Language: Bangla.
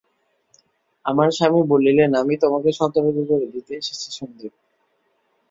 আমার স্বামী বললেন, আমি তোমাকে সতর্ক করে দিতে এসেছি সন্দীপ।